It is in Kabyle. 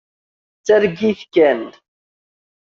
D targit kan.